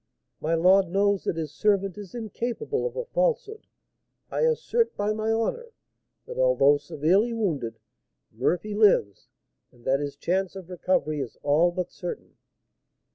"My lord knows that his servant is incapable of a falsehood. I assert by my honour, that, although severely wounded, Murphy lives, and that his chance of recovery is all but certain."